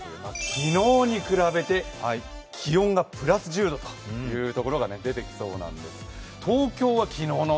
昨日に比べて気温がプラス１０度というところが出てきそうなんです。